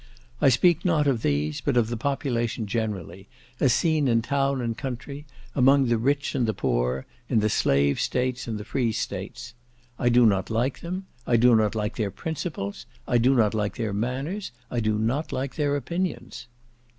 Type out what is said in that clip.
I speak not of these, but of the population generally, as seen in town and country, among the rich and the poor, in the slave states, and the free states. I do not like them. I do not like their principles, I do not like their manners, I do not like their opinions.